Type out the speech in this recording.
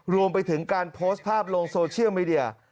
รวมไปถึงการโพสต์ภาพลงโซเชียลมีเดีย